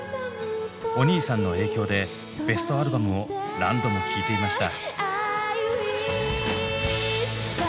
お兄さんの影響でベストアルバムを何度も聴いていました。